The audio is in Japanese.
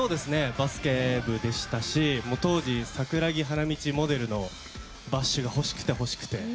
バスケ部でしたし当時、桜木花道モデルのバッシュが欲しくて、欲しくて。